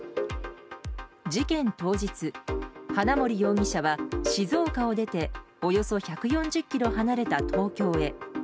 事件当日、花森容疑者は静岡を出ておよそ１４０ｋｍ離れた東京へ。